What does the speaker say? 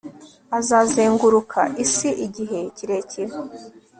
Azazenguruka isi igihe kirekire